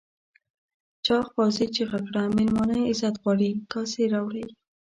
چاغ پوځي چیغه کړه مېلمانه عزت غواړي کاسې راوړئ.